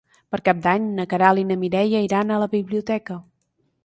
Per Cap d'Any na Queralt i na Mireia iran a la biblioteca.